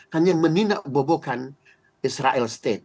hanya menindakbobokan israel state